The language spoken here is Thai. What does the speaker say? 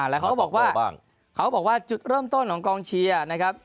แล้วเขาก็บอกว่าจุดเริ่มต้นของกองเชียร์นะครับ